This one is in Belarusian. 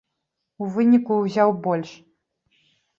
У выніку ўзяў больш!